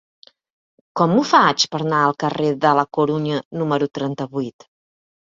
Com ho faig per anar al carrer de la Corunya número trenta-vuit?